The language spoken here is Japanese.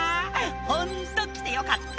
「ホント来てよかった」